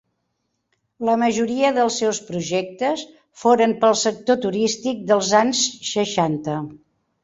La majoria dels seus projectes foren pel sector turístic dels anys seixanta.